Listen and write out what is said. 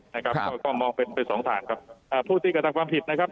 นะครับก็มองเป็นเป็นสองฐานครับพูดดีกับทางความผิดนะครับ